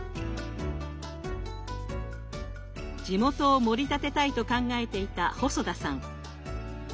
地元をもり立てたいと考えていた細田さん。